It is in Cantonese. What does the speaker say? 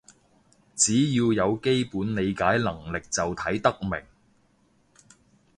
只要有基本理解能力就睇得明